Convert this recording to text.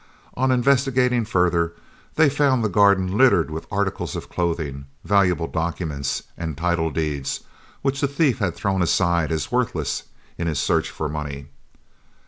On investigating further, they found the garden littered with articles of clothing, valuable documents, and title deeds, which the thief had thrown aside as worthless, in his search for money.